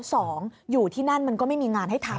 สองอยู่ที่นั่นมันก็ไม่มีงานให้ทำ